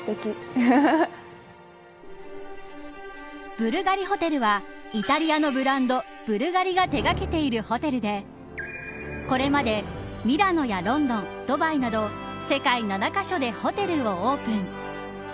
ブルガリホテルはイタリアのブランドブルガリが手掛けているホテルでこれまでミラノやロンドンドバイなど世界７か所でホテルをオープン。